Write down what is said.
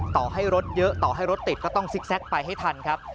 ต่อให้รถเยอะต่อให้รถติดก็ต้องซิกแก๊กไปให้ทันครับ